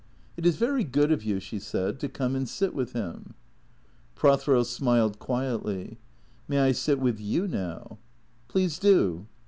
" It is very good of you," she said, " to come and sit with him." Prothero smiled quietly. " May I sit with you now ?" "Please do."